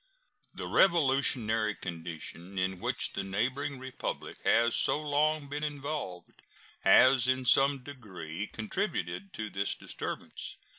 The revolutionary condition in which the neighboring Republic has so long been involved has in some degree contributed to this disturbance.